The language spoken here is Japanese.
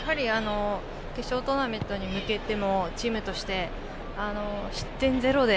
決勝トーナメントに向けてチームとして、失点ゼロで。